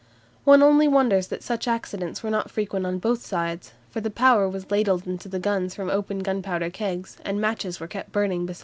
One only wonders that such accidents were not frequent on both sides, for the powder was ladled into the guns from open gunpowder kegs, and matches were kept burning beside each gun.